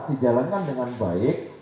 dijalankan dengan baik